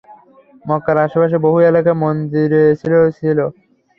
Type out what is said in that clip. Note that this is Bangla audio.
মক্কার আশে-পাশে বহু এলাকার মন্দিরে ছিল।